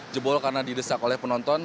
jebol karena didesak oleh penonton